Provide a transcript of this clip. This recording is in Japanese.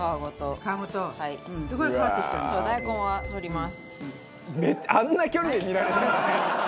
大根は取ります。